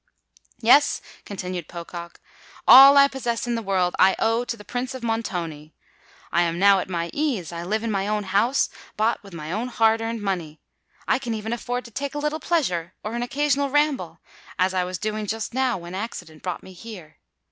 "Yes," continued Pocock: "all I possess in the world I owe to the Prince of Montoni. I am now at my ease—I live in my own house, bought with my own hard earned money:—I can even afford to take a little pleasure, or an occasional ramble, as I was doing just now when accident brought me here.